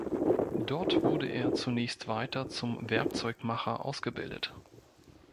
Dort wurde er zunächst weiter zum Werkzeugmacher ausgebildet.